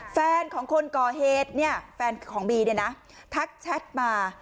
แฟนของคนก่อเหตุเนี่ยแฟนของบีเนี่ยนะทักแชทมา